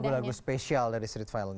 lagu lagu spesial dari street film